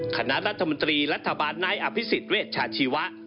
คณะรัฐมนตรีรัฐบาลนายอภิษฎเวชชาชีวะ